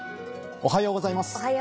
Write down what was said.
おはようございます。